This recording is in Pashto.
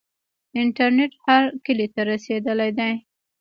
انټرنیټ هر کلي ته رسیدلی دی.